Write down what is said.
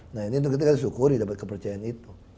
nah ini kita kan syukuri dapat kepercayaan itu